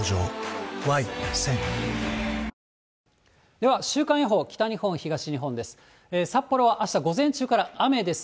では、週間予報、北日本、東日本です。